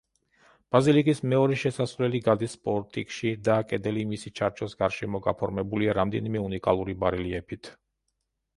ბაზილიკის მეორე შესასვლელი გადის პორტიკში და კედელი მისი ჩარჩოს გარშემო გაფორმებულია რამდენიმე უნიკალური ბარელიეფით.